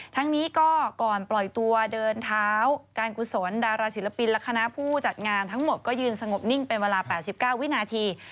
ทั้งนี้ก็ก่อนปล่อยตัวเดินเท้าการกุศลดาราศิลปินและคณะผู้จัดงานทั้งหมดก็ยืนสงบนิ่งเป็นเวลา๘๙วินาที